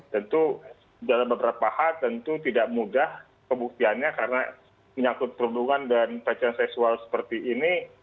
tentu dalam beberapa hal tidak mudah kebuktiannya karena menyangkut perhubungan dan kecemasan seksual seperti ini